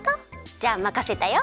じゃあまかせたよ。